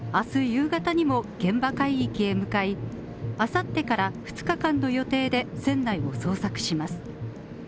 夕方にも現場海域へ向かい、明後日から２日間の予定で、船内を捜索します。